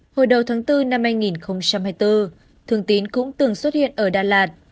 hồi đầu tháng bốn năm hai nghìn hai mươi bốn thường tín cũng từng xuất hiện ở đà lạt